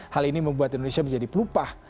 hal ini membuat indonesia menjadi pelupah